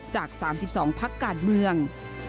จาก๓๒ภักดิ์การเมือง